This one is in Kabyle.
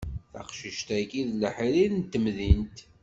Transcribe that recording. Taqcict-agi d leḥrir n temdint.